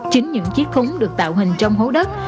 chính những chiếc thúng được tạo hình trong hố đất